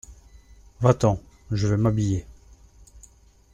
Va-t'en, je vais m'habiller.